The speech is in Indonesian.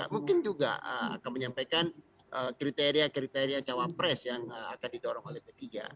mungkin juga akan menyampaikan kriteria kriteria cawapres yang akan didorong oleh p tiga